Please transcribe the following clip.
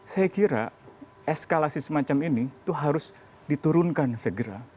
saya kira eskalasi semacam ini itu harus diturunkan segera